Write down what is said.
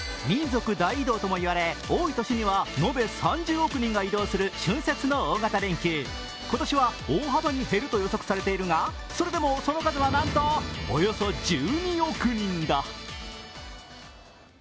民族大移動とも言われ、多い年には延べ３０億人が移動する春節の大型連休、今年は大幅に減ると予測されているがそれでも、その数はなんとおよそ１２億人だ。